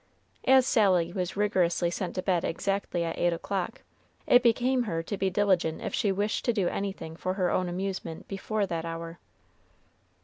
As Sally was rigorously sent to bed exactly at eight o'clock, it became her to be diligent if she wished to do anything for her own amusement before that hour.